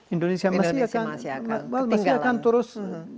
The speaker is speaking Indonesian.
indonesia masih akan terus